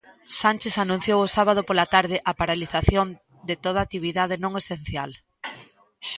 Sánchez anunciou o sábado pola tarde a paralización de toda actividade non esencial.